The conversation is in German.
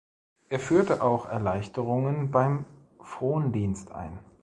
Er führte auch Erleichterungen beim Frondienst ein.